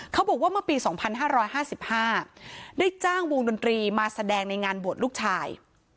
เขาบอกว่าเมื่อปีสองพันห้าร้อยห้าสิบห้าได้จ้างวงดนตรีมาแสดงในงานบวชลูกชาย